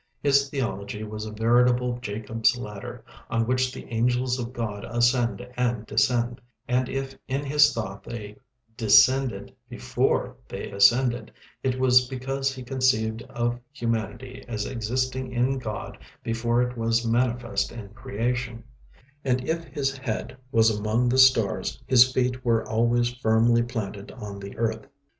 His theology was a veritable Jacob's ladder, on which the angels of God ascend and descend; and if in his thought they descended before they ascended, it was because he conceived of humanity as existing in God before it was manifest in creation; and if his head was among the stars, his feet were always firmly planted on the earth.